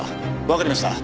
わかりました。